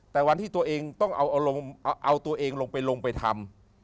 แต่วันที่ตัวเองต้องเอาตัวเองลงไปลงไปทำ